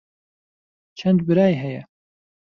چەند برای هەیە؟